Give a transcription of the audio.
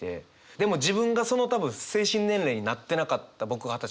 でも自分がその多分精神年齢になってなかった僕二十歳の時も。